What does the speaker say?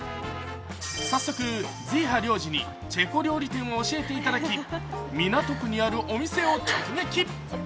早速、ズィーハ領事にチェコ料理店を教えていただき、港区にあるお店を直撃。